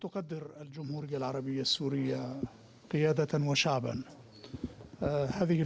pemerintah dan rakyat china